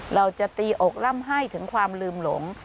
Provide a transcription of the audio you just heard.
เราจะตีอกล่ำให้ถึงความลืมหลง